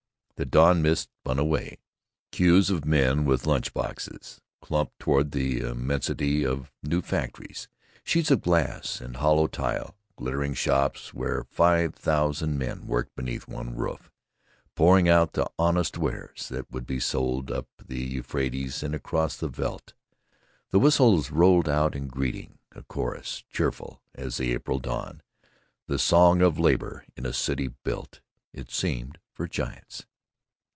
The dawn mist spun away. Cues of men with lunch boxes clumped toward the immensity of new factories, sheets of glass and hollow tile, glittering shops where five thousand men worked beneath one roof, pouring out the honest wares that would be sold up the Euphrates and across the veldt. The whistles rolled out in greeting a chorus cheerful as the April dawn; the song of labor in a city built it seemed for giants.